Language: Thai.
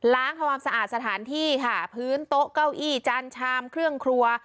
ความสะอาดสถานที่ค่ะพื้นโต๊ะเก้าอี้จานชามเครื่องครัว